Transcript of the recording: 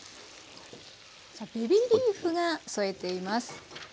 ベビーリーフが添えています。